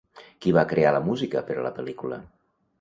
Qui va crear la música per a la pel·lícula?